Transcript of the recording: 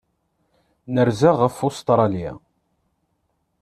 Nerza ɣef Ustṛalya.